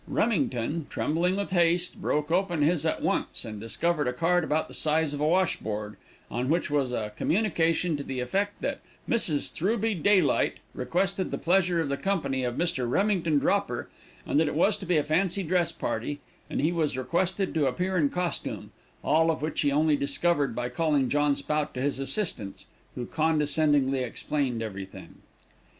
Remington, trembling with haste, broke open his at once, and discovered a card about the size of a washboard, on which was a communication to the effect that Mrs. Throughby Daylight requested the pleasure of the company of Mr. Remington Dropper, and that it was to be a fancy dress party, and he was requested to appear in costume, all of which he only discovered by calling John Spout to his assistance, who condescendingly explained everything.